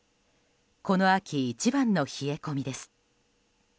この秋一番の冷え込みです。